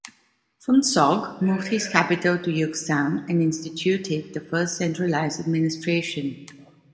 Phuntsog moved his capital to Yuksam and instituted the first centralised administration.